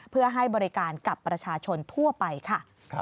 เพื่อให้บริการกับประชาชนทั่วไปค่ะ